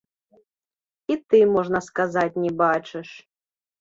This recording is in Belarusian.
І ты, можна сказаць, не бачыш.